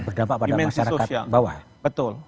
berdampak pada masyarakat bawah betul